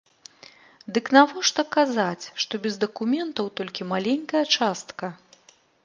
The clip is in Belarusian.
Дык навошта казаць, што без дакументаў толькі маленькая частка?